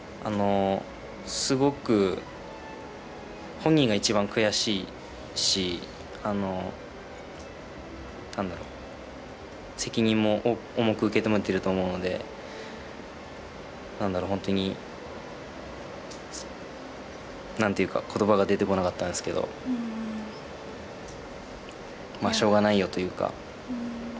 すごく本人が一番悔しいし、なんだろう、責任も重く受け止めてると思うので、なんだろう、本当になんていうか、ことばが出てこなかったんですけど、しょうがないよというか。